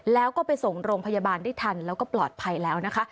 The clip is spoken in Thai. แล้วก็ไปส่งโรงพยาบาลได้ทันแล้วก็ปลอดภัยแล้วนะคะ